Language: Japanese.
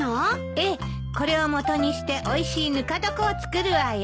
ええこれを元にしておいしいぬか床を作るわよ。